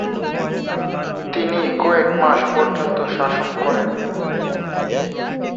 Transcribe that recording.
তিনি কয়েকমাস পর্যন্ত শাসন করেন।